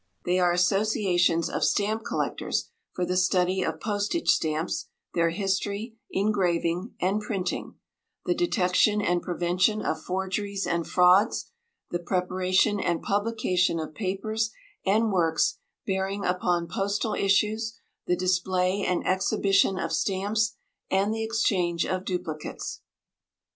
They are associations of stamp collectors for the study of postage stamps, their history, engraving, and printing; the detection and prevention of forgeries and frauds; the preparation and publication of papers and works bearing upon postal issues; the display and exhibition of stamps, and the exchange of duplicates.